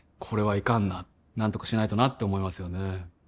これはいかんな何とかしないとなって思いますよね